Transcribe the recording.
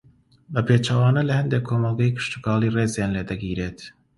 بە پێچەوانە لە ھەندێک کۆمەڵگەی کشتوکاڵی ڕێزیان لێدەگیرێت